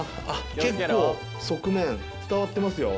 結構側面伝わってますよ。